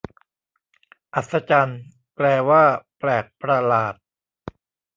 อัศจรรย์ แปลว่าแปลกประหลาด